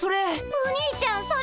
お兄ちゃんそれ！